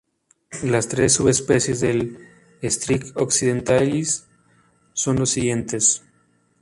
Las tres subespecies del "Strix occidentalis" son los siguientes:.